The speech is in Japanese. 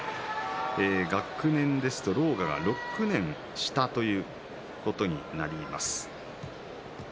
学年ですと狼雅が６年下ということになります。